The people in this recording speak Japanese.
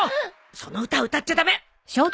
その歌歌っちゃ駄目！